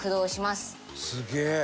すげえ！